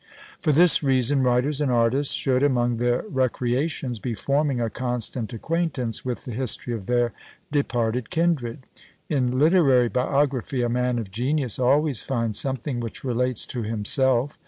For this reason, writers and artists should, among their recreations, be forming a constant acquaintance with the history of their departed kindred. In literary biography a man of genius always finds something which relates to himself.